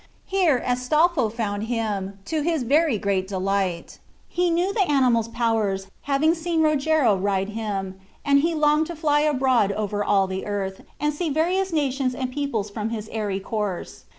Here Astolpho found him, to his very great delight. He knew the animal's powers, having seen Rogero ride him, and he longed to fly abroad over all the earth, and see various nations and peoples from his airy course.